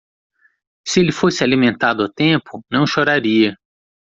Se ele fosse alimentado a tempo, não choraria.